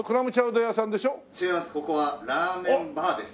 ここはラーメンバーです。